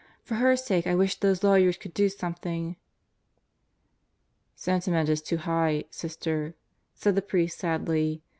"For her sake I wish those lawyers could do something. ..." "Sentiment is too high, Sister," said the priest sadly.